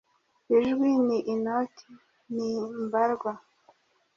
Ijwi ni inoti ni mbarwa!